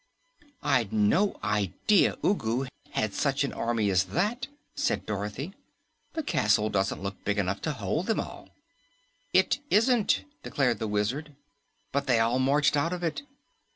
"I'd no idea Ugu had such an army as that," said Dorothy. "The castle doesn't look big enough to hold them all." "It isn't," declared the Wizard. "But they all marched out of it."